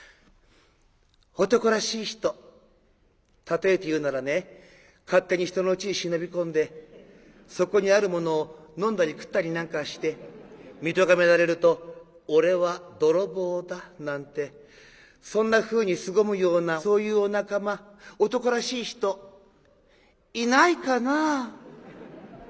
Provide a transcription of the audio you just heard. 例えて言うならね勝手に人のうちへ忍び込んでそこにあるものを飲んだり食ったりなんかして見とがめられると『俺は泥棒だ』なんてそんなふうにすごむようなそういうお仲間男らしい人いないかなあ？」。